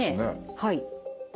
はい。